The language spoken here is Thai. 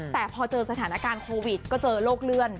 แต่พอเจอสถานการณ์โควิดก็เจอโรคเลื่อน